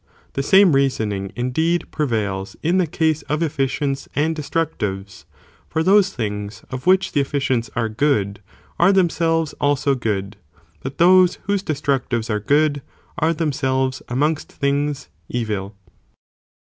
® The same reasoning indeed prevails in the case of efficients and destructives, for those things, of which the efficients are good, are themselves also good, but those, whose destructives are good, are themselves amongst things evil.